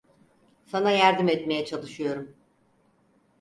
Sana yardım etmeye çalışıyorum!